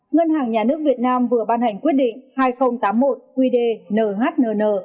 ngân hàng nhà nước việt nam vừa ban hành quyết định hai nghìn tám mươi một qdnhnn